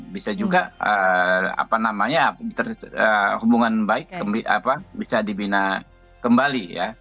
bisa juga apa namanya hubungan baik bisa dibina kembali ya